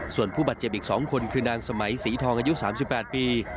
ส่วนผู้บาดเจ็บอีกสองคนคือนางสมัยสีทองอายุสามสิบแปดปี